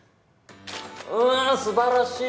うん素晴らしい！